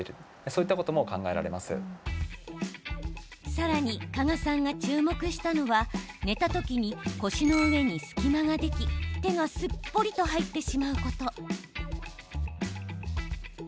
さらに、加賀さんが注目したのは寝た時に腰の上に隙間ができ手がすっぽりと入ってしまうこと。